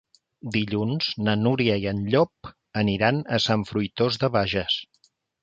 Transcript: Dilluns na Núria i en Llop aniran a Sant Fruitós de Bages.